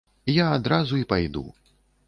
Я адразу і пайду.